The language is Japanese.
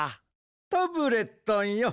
タブレットンよ